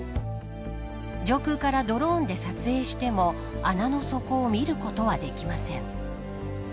上空からドローンで撮影しても穴の底を見ることはできません。